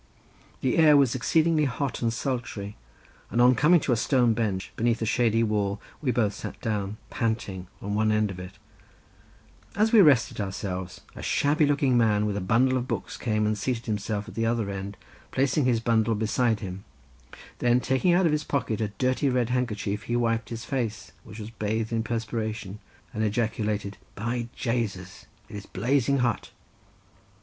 The air was exceedingly hot and sultry, and on coming to a stone bench, beneath a shady wall, we both sat down, panting, on one end of it; as we were resting ourselves, a shabby looking man with a bundle of books came and seated himself at the other end, placing his bundle beside him; then taking out from his pocket a dirty red handkerchief, he wiped his face, which was bathed in perspiration, and ejaculated: "By Jasus, it is blazing hot!"